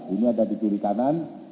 ini ada di kiri kanan